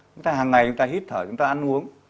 chúng ta hàng ngày chúng ta hít thở chúng ta ăn uống